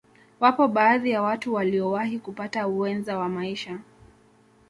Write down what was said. Wapo baadhi ya watu waliyowahi kupata wenza wa maisha